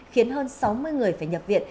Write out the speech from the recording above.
khiến hơn sáu mươi người phải nhập viện